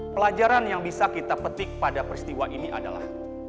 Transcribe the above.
pelajaran yang bisa kita petik pada peristiwa ini adalah